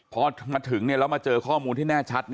พอมาถึงแล้วมาเจอข้อมูลหน้าชัด